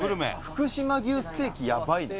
福島牛ステーキやばいね。